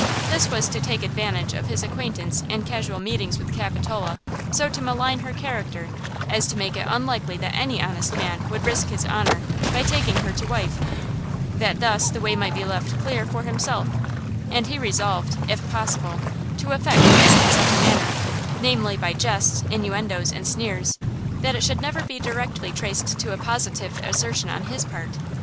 This was to take advantage of his acquaintance and casual meetings with Capitola so to malign her character as to make it unlikely that any honest man would risk his honor by taking her to wife; that thus the way might be left clear for himself; and he resolved, if possible, to effect this in such a manner–namely by jests, inuendos and sneers–that it should never be directly traced to a positive assertion on his part.